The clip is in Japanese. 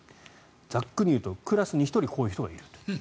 ざっくりいうとクラスに１人こういう人がいると。